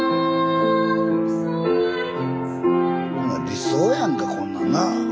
理想やんかこんなんな。